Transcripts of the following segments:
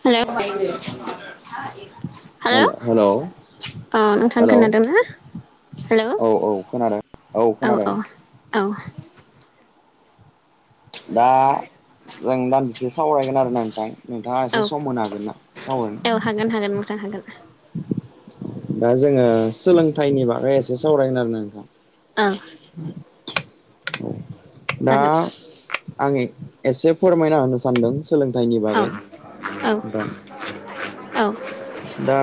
हेल' hello अ नोंथां hello खोनादोंना हेल' औ औ खोनादों खोनादों औ दा जों दान्दिसे सावरायगोन आरो ना नोंथां। नोंथाङा औ एसे सम होन हागोन ना सावरायना। हागोन नोंथा हागोन दा जोङो सोलोंथाइनि बागै एसे सावरायगोन आरोना नोंथां। ओ दा जागोन आं एसे फोरमायना होनो सानदों सोलोंथाइनि औ बागै औ दा औ दा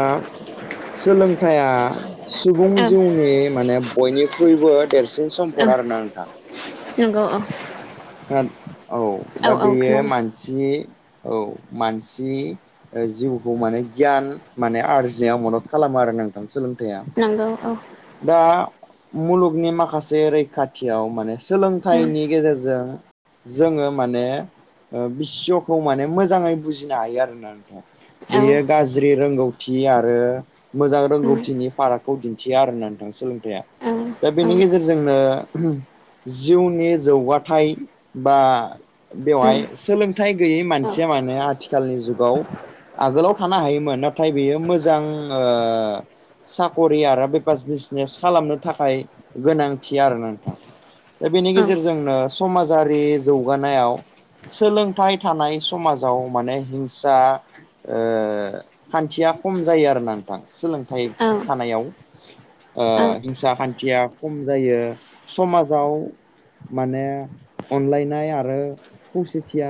सोलोंथाइया सुबुं औ जिउनि माने बयनिख्रुइबो देरसिन औ सम्पद आरोना नोंथां। नंगौ अ औ दा औ बेयो खोनादों मानसि औ मानसि ओ जिउखौ माने गियान माने आरजिनायाव मदद खालामो आरो नों थां सोलोंथाइया नंगौ औ दा मुलुगनि माखासे रैखाथियाव माने उम सोलोंथाइनि गेजेरजों जोङो माने बिस्वखौ माने मोजाङै बुजिनो हायो आरोना नोंथां औ बेयो गाज्रि रोंगौथि आरो मोजां उम रोंगौथिनि फारागखौ दिन्थिया आरोना नोंथां सोलोंथाइया। औ दा उम बेनि गेजेरजोंनो जिउनि जौगाथाय बा औ बेवहाय सोलोंथाइ गैयै मानसिया मानोे आथिखालनि जुगाव आगोलाव थानो हायोमोन नाथाय बेयो मोजां ओ साकरि आरो बेपास बिजनेस खालामनो थाखाय गोनांथि आरो नोंथां। दा बेनि औ गेजेरजोंनो समाजारि जौगानायाव सोलोंथाइ थानाय समाजाव माने हिंसा ओ खान्थिया खम जायो आरोना नोंथां सोलोंथाइ थानायाव। ओ औ हिंसा खान्थिया खम जायो समाजाव माने अनलायनाय आरो खौसेथिया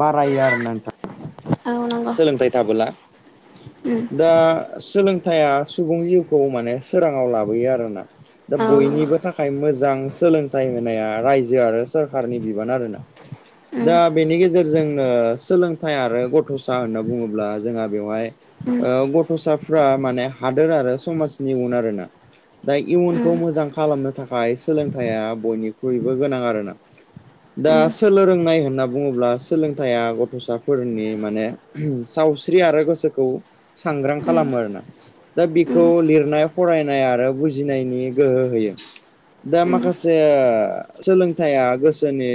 बारायो आरोना नोंथां। औ नंगौ सोलोंथाइ थाबोला। उम दा सोलोंथाइया सुबुं जिउखौ माने सोराङाव लाबोयो आरोना। दा औ नंगौ बयनिबो थाखाय मोजां सोलों थाइ होनाया रायजो आरो सोरखारनि बिबान आरोना उम दा बेनि गेजेरजोंनो सोलोंथाइ आरो गथ'सा होनना बुङोब्ला जोंहा बेवहाय उम ओ गथ'साफ्रा माने हादोर आरो समाजनि इयुन आरोना। दा उम इयुनखौ मोजां खालामनो थाखाय सोलोंथाइया बयनिख्रुइबो गोनां आरोना। दा उम सोलों रोंनाय होनना बुङोब्ला सोलोंथाइया गथ'साफोरनि माने सावस्रि आरो गोसोखौ सांग्रां खालामो आरोना। दा उम बेखौ लिरनाय फरायनाय आरो बुजिनायनि गोहो होयो दा उम माखासे सोलोंथाइया गोसोनि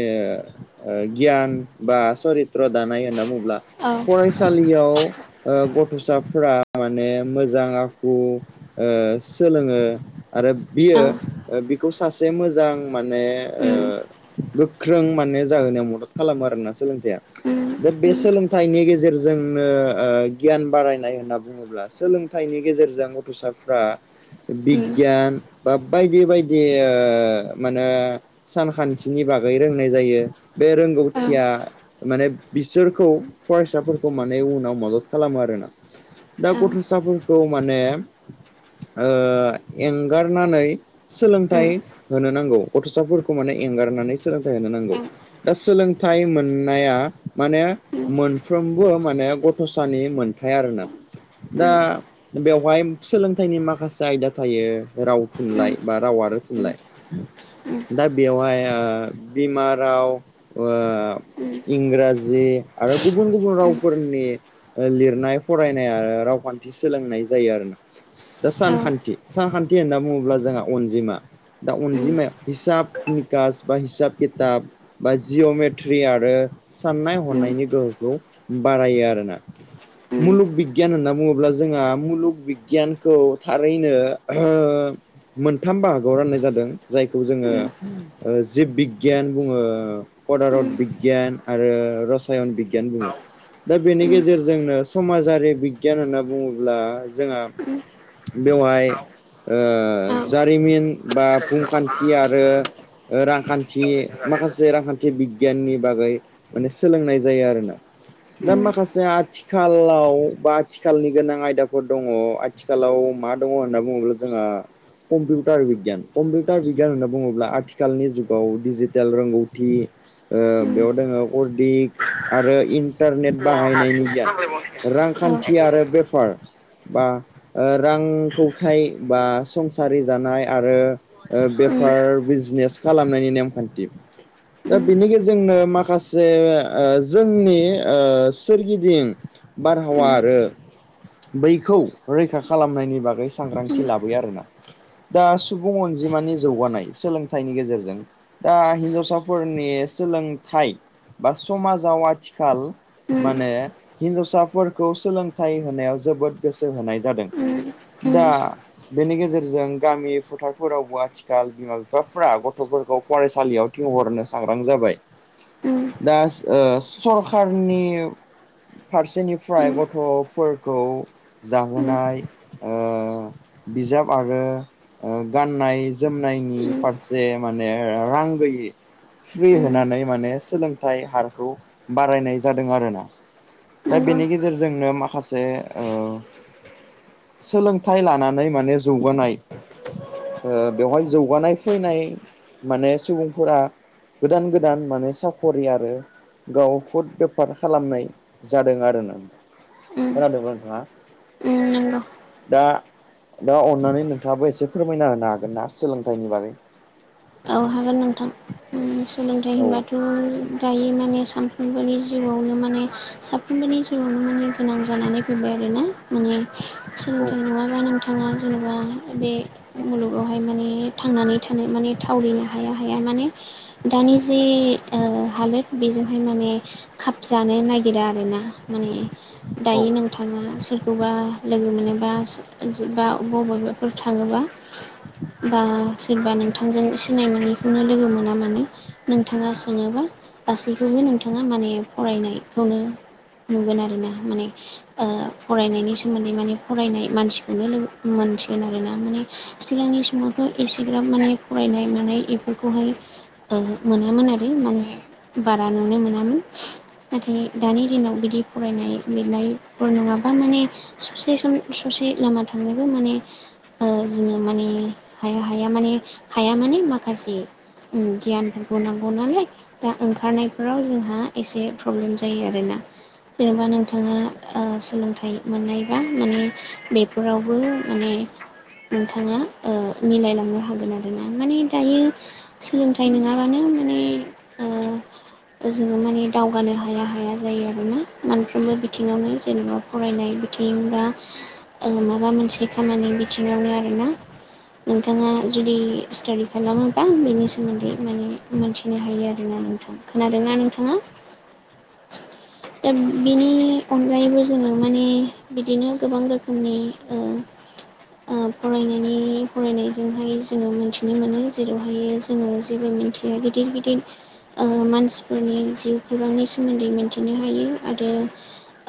गियान बा सरित्र दानाय होनना बुङोब्ला औ फरायसालियाव ओ गथ'साफोरा माने मोजां आखु ओ सोलोङो आरो उम बियो बिखौ सासे मो जां माने ओ उम गोख्रों माने जाहोनायाव मदद खालामो आरोना सोलोंथाइया उम दा बे सोलोंथाइनि गेजेरजोंनो ओ गियान बारायनाय होनना बुङोब्ला सोलोंथाइनि गेजेरजों गथ'साफ्रा उम बिगियान बा बायदि बायदि ओ माने सानखान्थिनि बागै रोंनाय जायो बे रोंगौथिया माने बिसोरखौ फरायसाफोरखौ माने उनाव मदद खालामो आरोना। दा औ गथ'साफोरखौ माने ओ एंगारनानै सोलोंथाइ होनो नांगौ गथ'साफोरखौ माने एंगारनानै सोलोंथाइ होनो नांगौ। दा सोलोंथाइ मोननाया माने मोनफ्रोमबो माने गथ'सानि मोनथाय आरोना। दा बेवहाय सोलोंथाइनि माखासे आयदा थायो। राव थुनलाइ बा बा राव आरो थुनलाइ। दा बेवहाय बिमा राव इंराजि आरो गुबुन गुबुन रावफोरनि लिरनाय फरायनाय आरो रावखान्थि सोलोंनाय जायो आरोना। दा सानखान्थि सानखान्थि होनना बुङोब्ला जोंहा अनजिमा दा अनजिमाया हिसाब निकास बा हिसाब खिथाब बा जिअ'मेट्रि आरो साननाय हनायनि गोहोखौ बारायो आरोना। मुलुग बि बिगियान होनना बुङोब्ला जोंहा मुलुग बिगियानखौ थारैनो मोनथाम बाहागोआव राननाय जादों। जायखौ जोङो जिब बिगियान बुङो पदारत बिगियान आरो रसायन बिगियान बुङो। दा बेनि गेजेरजोंनो समाजारि बिगियान होनना बुङोब्ला जोंहा बेवहाय जारिमिन बा भुमखान्थि आरो रांखान्थि माखासे रांखान्थि आथि बिगियाननि बागै माने सोलोंनाय जायो आरोना। दा माखासे आथिखाल आथिखालाव बा आथिखालनि गोनां आयदाफोर दङ। आथिखालाव मा दङ होनना बुङोब्ला जोंहा कम्पिउटार बिगियान, कम्पिउटार बिगियान होनना बुङोब्ला आथिखालनि जुगाव डिजिटेल रोंगौथि बेयाव नंगौ दोङो अरदिक आरो इन्टारनेट बाहायनायनि गियान रांखान्थि आरो बेफार बा रांखुंथाय बा संसारि जानाय आरो बेफार बिजनेस खालामनायनि नेमखान्थि। दा बिनि गेजेरनो माखासे जोंनि सोरगिदिं बारहावा आरो बैखौ रैखा खालामनायनि बागै सांग्रांथि लाबोयो आरोना। दा सुबुं अनजि जिमानि जौगानाय सोलोंथाइनि गेजेरजों। दा हिनजावसाफोरनि सोलोंथाइ बा समाजाव आथिखाल माने हिन्जावसाफोरखौ सोलोंथाइ होनायाव जोबोद गोसो होनाय जादों। दा बेनि गेजेरजों गामि फोथार फोरावबो आथिखाल बिमा बिफाफ्रा गथ'फोरखौ फरायसालियाव थिंहरनो सांग्रां जाबाय। दा सरखारनि फारसेनिफ्राय गथ'फोरखौ जाहोनाय बिजाब आरो गाननाय जोमनायनि फारसे माने रां गैयि फ्रि होनानै माने सोलोंथाइ हारखौ बारायनाय जादों आरोना। दा बेनि गेजेरजोंनो माखासे सोलोंथाइ लानानै माने जौगानाय ओ बेवहाय जौगानाय फैनाय माने सुबुंफोरा गोदान गोदान माने साखरि आरो गाव खुद बेफार खालामनाय जादों आरोना। खोनादोंना नोंथां? दा दा अननानै नोंथाङाबो एसे फोरमायना होनो हागोन ना सोलोंथाइनि बारै? औ हागोन नोंथां। सोलोंथाइ औ होनबाथ' दायो माने सामफ्रोमबोनि जिउआवनो माने साफ्रोमबोनि जिउआवनो माने गोनां जानानै फैबाय आरोना। माने औ सोलोंथाइ नङाबा नों थाङा जेनेबा बे मुलुगावहाय माने थांनानै थानो माने थावरिनो हाया हाया माने दानि जे हालोद बेजोंहाय माने खाबजानो नागिरा आरोना माने औ दायो नों थाङा सोरखौबा लोगो मोनोबा बाब बबेबाफोर थाङोबा। बा सोरबा नोंथांजों सिनाय मोनैखौनो लोगो मोना माने। नोंथाङा सोङोबा गासैखौबो नोंथाङा माने फरायनायखौनो नुगोन आरो ना माने फरायनायनि सोमोन्दै माने फरायनाय मानसिखौनो लोगो मोनसिगोन आरोना माने सिगांनि समावथ' एसेग्राब माने फरायनाय मानाय बेफोरखौहाय ओ मोनोमोन आरो माने बारा नुनो मोनामोन नाथाय दानि दिनाव बिदि फरायनाय लिरनायफोर नङाबा माने ससे सम ससे लामा थांनोबो माने जोङो माने हाया हाया माने हाया माने माखासे ओम गियान बुनांगौ [unintelligible] दा ओंखारनायफोराव जोंहा एसे प्रब्लेम जायो आरोना। जेनेबा नोंथाङा ओ सोलोंथाइ मोननायबा माने बेफोरावबो माने नोंथाङा मिलायलांनो हागोन आरो। आरोना माने दायो सोलोंथाइ नङाबानो माने जोङो मानि दावगानो हाया हाया जायो आरो आरोना मोनफ्रोमबो बिथिङावनो जेनेबा फरायनाय बिथिं बा माबा मोनसे खामानि बिथिङावनो आरोना नोंथाङा जुदि स्टाादि खालामोबा बेनि सोमोन्दै माने मोनथिनो हायो आरोना नोंथां खोनादोंना नोंथाङा [unintelligible] दा बिनि अनगायैबो जोङो माने बिदिनो गोबां रोखोमनि ओ ओ फरायनायनि फरायनायजोंहाय जोङो मोनसे बिनो मोनो जेरावहाय जोङो जेबो मिथिया गिदिर गिदिर मानसिफोरनि जिउ खौरांनि सोमोन्दै मिथिनो हायो आरो।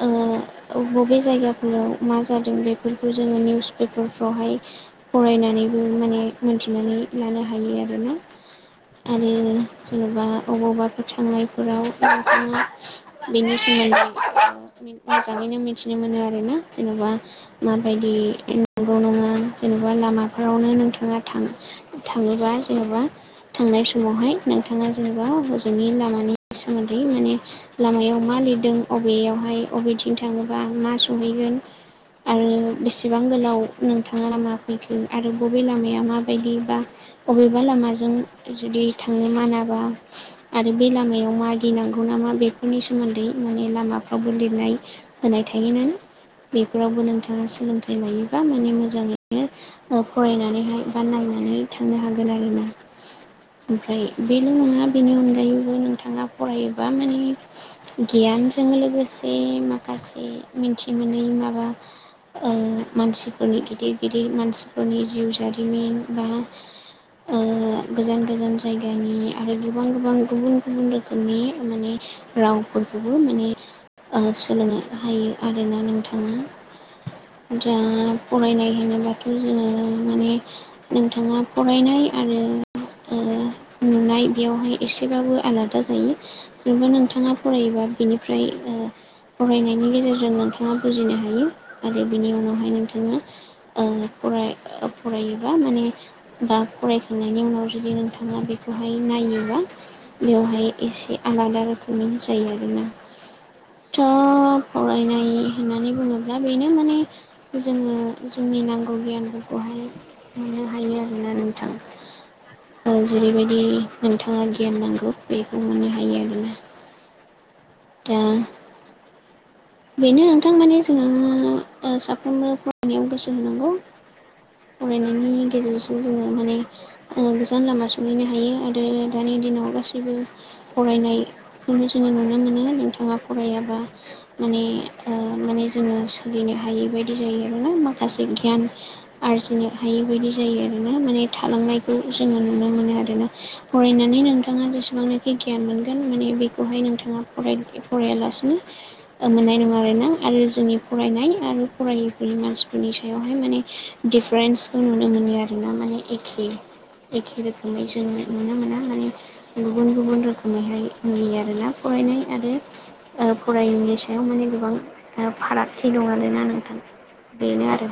ओं बबे जायगाफोराव मा जादों बेफोरखौ जोङो निउस पेपारफ्रावहाय फरायनानैबो माने मोनथिनानै लानो हायो आरोना आरो जेनेबा अबावबाफोर थांनायफोराव बिदिनो बिनि [inaudible] मोजाङैनो मिथिनो मोनो आरोना जेनबा माबायदि नंगौ नङा जेनेबा लामाफोरावनो नोंथाङा थाङो थाङोबा जेनबा थांनाय समावहाय नोंथाङा जेनेबा हजोंनि लामानि सोमोन्दै माने लामायाव मा लिरदों अबेयावहाय बबेथिं थाङोबा मा सहैगोन आरो बेसेबां गोलाव नोंथाङा लामा फैफिन आरो बबे लामाया माबायदि बा बबेबा लामाजों जुदि थांनो मानाबा आरो बे लामायाव मा गिनांगौ नामा बेफोरनि सोमोन्दै माने लामाफ्रावबो लिरनाय होनाय थायोनो बेफोरावबो नोंथाङा सोलोंथाइ लायोबा माने मोजाङैनो फरायनानैहाय बा नायनानै थांनो हागोन आरोना। ओमफ्राय बेल नङा बेनि अनगायैबो नोंथाङा फरायोबा माने गियानजों लोगोसे माखासे मिथि मोनै माबा ओ मानसिफोरनि गिदिर गिदिर मानसिफोरनि जिउ जारिमिन बा ओ गोजान गोजान जायगानि आरो गोबां गोबां गुबुन गुबुन रोखोमनि माने रावफोरखौबो माने ओ सोलोंनो हायो आरोना नोंथाङा दा फरायनाय होनोबाथ जोङो माने नोंथाङा फरायनाय आरो ओ नुनाय बेयावहाय एसेबाबो आलादा जायो जेनेबा नोंथाङा फरायोबा बिनिफ्राय ओ फरायनायनि गेजेरजों नोंथाङा बुजिनो हायो आरो बिनि उनावहाय नोंथाङा ओ फराय फरायोबा माने बा फरायखांनायनि उनाव जुदि नोंथाङा बेखौहाय नायोबा बेवहाय एसे आलादा रोखोमनि जायो आरोना। थ' फरायनाय होननानै बुङोब्ला बेनो माने जोङो जोंनि नांगौ गियानफोरखौहाय मोननो हायो। मोनो नोंथां। औ जेरैबायदि नोंथाङा गियान नांगौ बेखौ मोननो हायो आरोना। दा बेनो नोंथां माने जोंहा ओ साफ्रोमबो फरायनायाव गोसो होनांगौ। फरायनायनि गेजेरजों जोङो माने गोजान लामा सहैनो हायो आरो दानि दिनाव गासैबो फरायनायखौनो जोङो नुनो मोनो नोंथाङा फरायाबा माने ओ माने जोङो सोलिनो हायि बायदि जायो आरोना माखासे गियान आरजिनो हायै बायदि जायो आरोना माने थालांनायखौ जोङो नुनो मोनो आरोना। फरायनानै नोंथाङा जेसेबांनाखि गियान मोनगोन माने बेखौहाय नोंथाङा फराय फरायालासिनो मोननाय नङा आरोना आरो जोंनि फरायनाय आरो फरायफोरनि मानसिफोरनि सायावहाय माने डिफारेन्सखौ नुनो मोनो आरोना माने एखे एखे रोखोमै जोङो नुनो मोना माने गुबुन गुबुन रोखोमैहाय नुयो आरोना फरायनाय आरो ओ फरायैनि सायाव माने गोबां फारागथि दं आरोना नोंथां। बेनो आरो।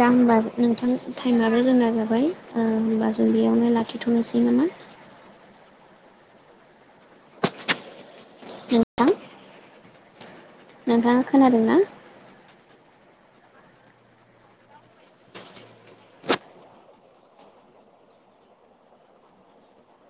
दा होमबा नोंथां टाइमाबो जोंना जाबाय ओ होमबा जों बेयावनो लाखिथ'नोसै नामा? नोंथां नोंथाङा खोनादों ना?